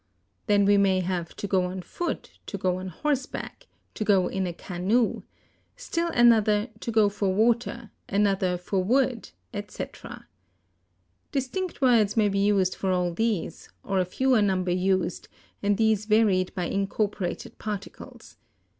Then we may have to go on foot, to go on horseback, to go in a canoe; still another, to go for water; another for wood, etc. Distinct words may be used for all these, or a fewer number used, and these varied by incorporated particles.